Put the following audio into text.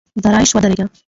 درایش ودرېږه !!